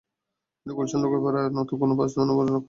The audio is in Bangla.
কিন্তু গুলশান লেকপাড়ে নতুন কোনো স্থাপনার জন্য নকশা পাস করা হয়নি।